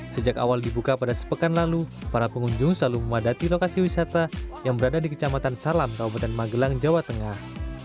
sejak awal dibuka pada sepekan lalu para pengunjung selalu memadati lokasi wisata yang berada di kecamatan salam kabupaten magelang jawa tengah